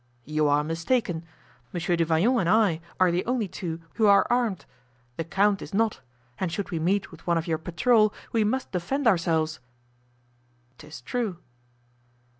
"You are mistaken. Monsieur du Vallon and I are the only two who are armed. The count is not; and should we meet with one of your patrol we must defend ourselves." "'Tis true."